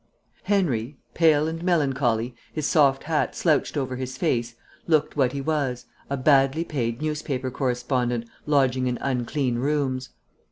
Henry, pale and melancholy, his soft hat slouched over his face, looked what he was, a badly paid newspaper correspondent lodging in unclean rooms.